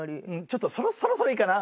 ちょっとそろそろいいかな？